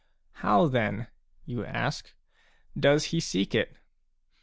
" How, then/' you ask, " does he seek it